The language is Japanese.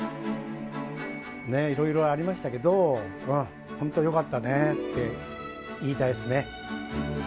いろいろありましたけど、本当よかったねって言いたいですね。